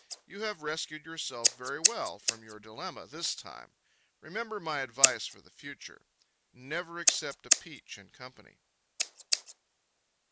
You have rescued yourself very well from your dilemma this time. Remember my advice for the future. Never accept a peach in company.